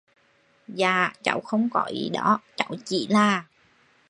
Dạ Cháu không có ý đó cháu chỉ là